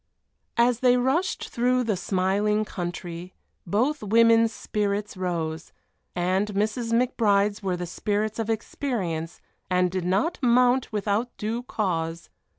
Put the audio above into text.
As they rushed through the smiling country, both women's spirits rose, and Mrs. McBride's were the spirits of experience and did not mount without due cause.